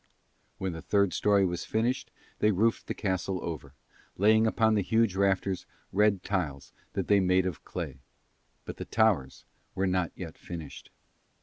When the third storey was finished they roofed the castle over, laying upon the huge rafters red tiles that they made of clay. But the towers were not yet finished.